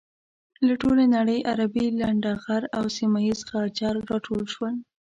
له ټولې نړۍ عربي لنډه غر او سيمه یيز غجر راټول شول.